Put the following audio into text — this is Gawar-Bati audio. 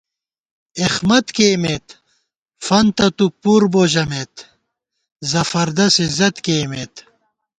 اېخمت کېئیمېت، فنتہ تُو پُر بو ژمېت، زفردس عزت کېئیمېت